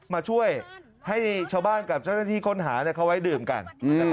มาช่วยให้ชาวบ้านกับเจ้าหน้าที่ค้นหาเขาไว้ดื่มกัน